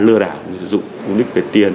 lừa đảo người dùng mục đích về tiền